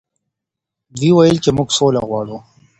دوی وویل چې موږ سوله غواړو.